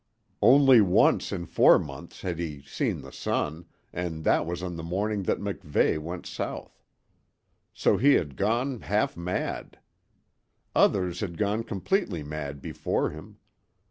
Only once in four months had he seen the sun, and that was on the morning that MacVeigh went south. So he had gone half mad. Others had gone completely mad before him.